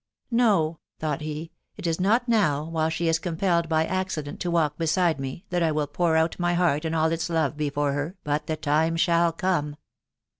€S No/' thought he, u it is not now, while she is compelled by accident to walk beside me, that I will pour out my heart and all its love before her, but the time shall come.